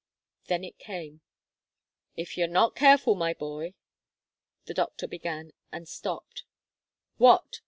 Then it came. "If you're not careful, my boy " the doctor began, and stopped. "What?"